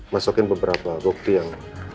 masukin beberapa bukti yang